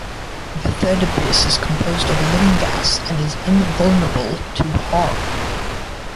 The third Abyss is composed of living gas and is invulnerable to harm.